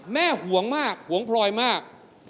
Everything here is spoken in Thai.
ห่วงมากห่วงพลอยมาก